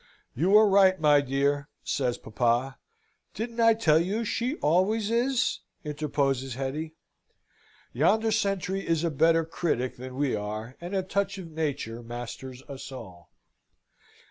"You are right, my dear," says papa. "Didn't I tell you she always is?" interposes Hetty. "Yonder sentry is a better critic than we are, and a touch of nature masters us all."